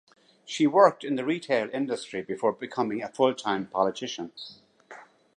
She worked in the retail industry before becoming a full-time politician.